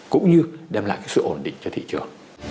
cũng như đem lại cái sự ổn định cho thị trường